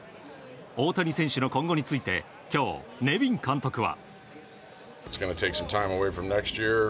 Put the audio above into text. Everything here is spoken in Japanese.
大谷選手の今後について今日、ネビン監督は。